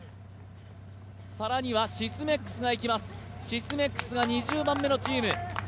更にはシスメックスがいきます、シスメックスが２０番目のチーム。